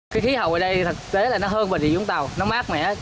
cái khí hậu ở đây thực tế là nó hơn bình địa dũng tàu nó mát mẻ